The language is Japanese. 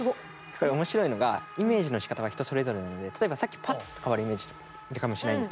これ面白いのがイメージのしかたは人それぞれなので例えばさっきパッと変わるイメージだったかもしれないんですけど。